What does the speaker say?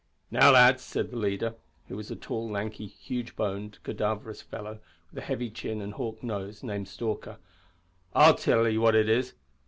"Now, lads," said the leader, who was a tall, lanky, huge boned, cadaverous fellow with a heavy chin and hawk nose, named Stalker, "I'll tell 'e what it is.